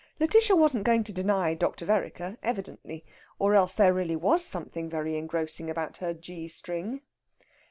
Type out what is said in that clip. Lætitia wasn't going to deny Dr. Vereker, evidently, or else there really was something very engrossing about her G string.